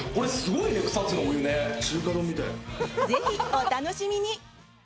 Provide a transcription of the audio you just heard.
ぜひ、お楽しみに！